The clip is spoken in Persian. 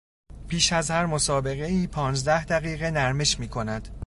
پیش از هر مسابقهای پانزده دقیقه نرمش میکند.